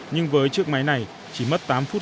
nhưng với chiếc máy này chỉ phải đưa vào chạy thử nghiệm tốt